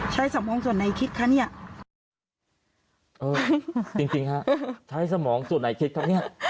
ใช้สมองส่วนไหนคิดคะเนี้ยเออจริงค่ะใช้สมองส่วนไหนคิดครับเนี้ย